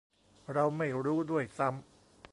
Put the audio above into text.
เราไม่รู้ด้วยซ้ำ